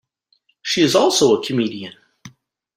She is also a comedian.